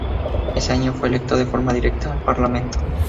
Ese año fue electo de forma directa al Parlamento.